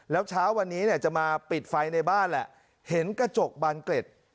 แล้วเช้าวันนี้เนี่ยจะมาปิดไฟในบ้านแหละเห็นกระจกบานเกร็ด